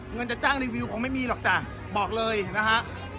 เงินจะจ้างรีวิวคงไม่มีหรอกจ้ะบอกเลยนะฮะ